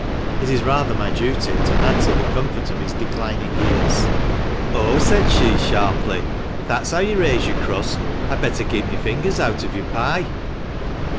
It is rather my duty to add to the comfort of his declining years," 4co THE MANCHESTER MAN. " Oh !" said she, sharply, " if that's how you raise your crust I'd best keep my fingers out of your pie."